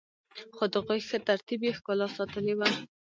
خو د هغوی ښه ترتیب يې ښکلا ساتلي وه.